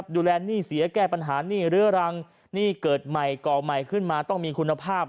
หนี้เสียแก้ปัญหาหนี้เรื้อรังหนี้เกิดใหม่ก่อใหม่ขึ้นมาต้องมีคุณภาพ